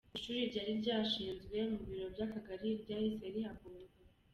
Ishuri ryari ryashyinzwe mu biro by’Akagali ryahise rihakurwa.